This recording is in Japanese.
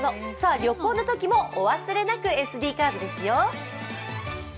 旅行のときもお忘れなく、ＳＤカードですよ。